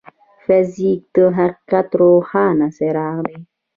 فزیک د حقیقت روښانه څراغ دی.